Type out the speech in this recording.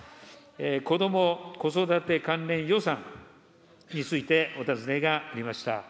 子ども・子育て関連予算についてお尋ねがありました。